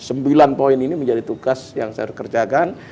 sembilan poin ini menjadi tugas yang saya kerjakan